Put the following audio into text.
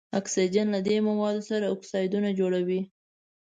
اکسیجن له دې موادو سره اکسایدونه جوړوي.